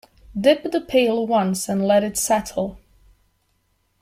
Dip the pail once and let it settle.